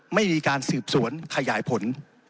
ไม่มีการสืบสวนขยายผล